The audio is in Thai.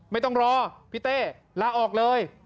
ไม่ต้องรอพี่เต้ลาออกเลย